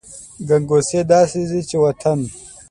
ګنګوسې داسې دي چې وطن …